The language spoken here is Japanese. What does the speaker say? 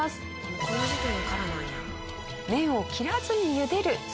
この時点からなんや。